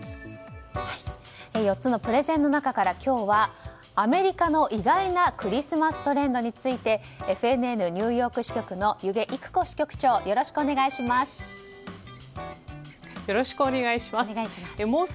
４つのプレゼンの中からは今日はアメリカの意外なクリスマストレンドについてＦＮＮニューヨーク支局の弓削いく子支局長よろしくお願いします。